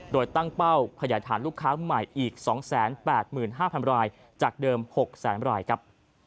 โดยตั้งเป้าขยายฐานลูกค้าใหม่อีก๒๘๕๐๐รายจากเดิม๖แสนรายครับ